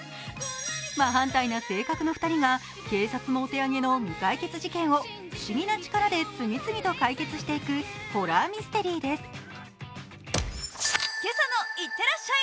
真反対な性格の２人が警察もお手上げの未解決事件を不思議な力で次々と解決していくホラーミステリーです。